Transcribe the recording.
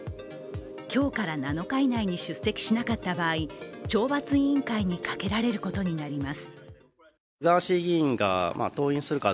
今日から７日以内に出席しなかった場合、懲罰委員会にかけられることになります。